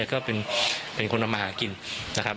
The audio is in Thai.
ก็เป็นคนอำมาตยากิน